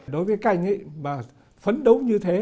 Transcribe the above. đối với canh ấy phấn đấu như thế